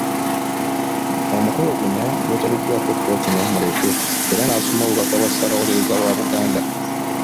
Omukolo guno gwetabiddwako Ppookino Muleke era n’asoma obubaka bwa Ssaabawolereza wa Buganda.